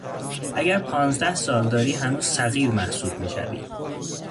اگر پانزده سال داری هنوز صغیر محسوب میشوی